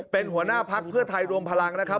เป็นหัวหน้าพักเพื่อไทยรวมพลังนะครับ